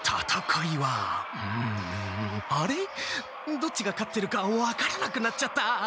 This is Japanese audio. どっちが勝ってるか分からなくなっちゃった。